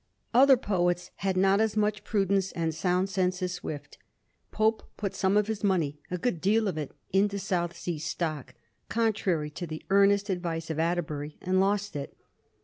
Other poets had not as much prudence and sound sense as Swift. Pope put some of his money, a good deal of it, into South Sea stock, contrary to the earnest advice of Atterbury, and lost it.